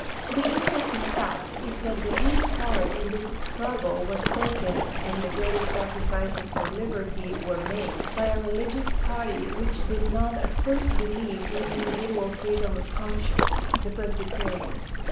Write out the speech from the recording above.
The interesting fact is that the leading part in this struggle was taken, and the greatest sacrifices for Hberty were made, by a religious party which did not at first believe in individual freedom of conscience — the Presbyterians.